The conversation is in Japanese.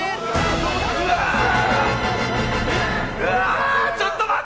うわー、ちょっと待って。